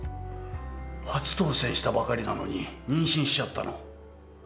初当選したばかりなのに、妊娠しちゃったの？